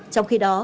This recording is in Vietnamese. trong khi đó